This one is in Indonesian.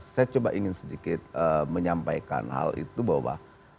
saya coba ingin sedikit menyampaikan hal itu bahwa